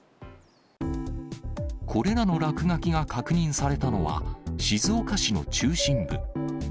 これらの落書きが確認されたのは、静岡市の中心部。